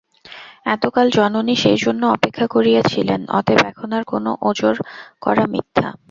এতকাল জননী সেইজন্য অপেক্ষা করিয়া ছিলেন, অতএব এখন আর কোনো ওজর করা মিথ্যা।